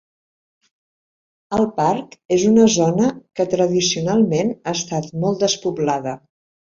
El parc és en una zona que tradicionalment ha estat molt despoblada.